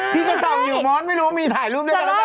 พี่ก็ส่องอยู่มอสไม่รู้ว่ามีถ่ายรูปด้วยกันหรือเปล่า